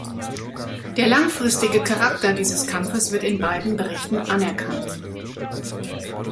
Der langfristige Charakter diese Kampfes wird in beiden Berichten anerkannt.